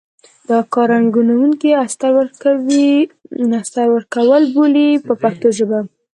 دا کار رنګوونکي استر ورکول بولي په پښتو ژبه.